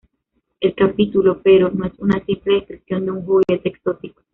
El capítulo pero, no es una simple descripción de un juguete exótico.